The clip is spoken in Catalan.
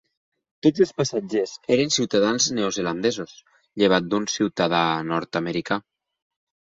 Tots els passatgers eren ciutadans neozelandesos, llevat d'un ciutadà nord-americà.